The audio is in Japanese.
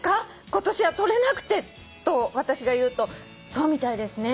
今年は採れなくて』と私が言うと『そうみたいですね。